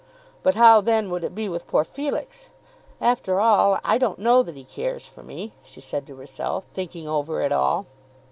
But how then would it be with poor Felix? "After all I don't know that he cares for me," she said to herself, thinking over it all.